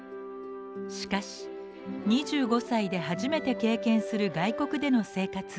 しかし２５歳で初めて経験する外国での生活。